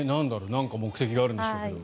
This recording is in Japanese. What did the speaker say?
なんか目的があるんでしょうか。